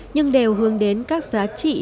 nhưng đều hướng đến các giá trị